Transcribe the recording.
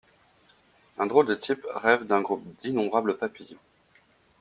Un drôle de type rêve d'un groupe d'innombrables papillons.